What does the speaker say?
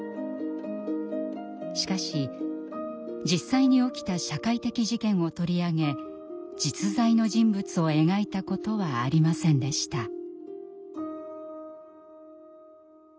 しかし実際に起きた社会的事件を取り上げ実在の人物を描いたことはありませんでした。